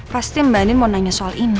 pasti mba adin mau nanya soal ini